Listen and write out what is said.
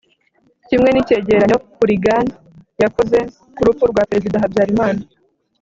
kimwe n'icyegeranyo hourigan yakoze ku rupfu rwa perezida habyarimana